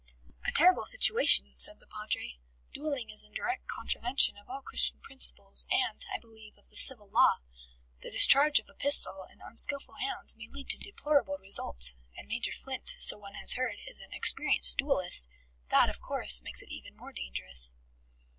"A terrible situation," said the Padre. "Duelling is in direct contravention of all Christian principles, and, I believe, of the civil law. The discharge of a pistol, in unskilful hands, may lead to deplorable results. And Major Flint, so one has heard, is an experienced duellist. ... That, of course, makes it even more dangerous."